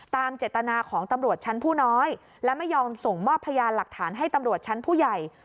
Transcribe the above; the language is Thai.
เจตนาของตำรวจชั้นผู้น้อยและไม่ยอมส่งมอบพยานหลักฐานให้ตำรวจชั้นผู้ใหญ่